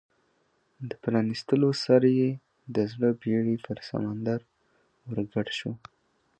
د پرانیستلو سره یې د زړه بېړۍ پر سمندر ورګډه شوه.